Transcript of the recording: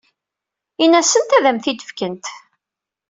Ini-asent ad am-t-id-fkent.